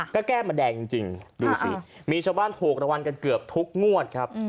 ก็แก้มาแดงจริงดูสิมีชาวบ้านถูกรางวัลกันเกือบทุกงวดครับ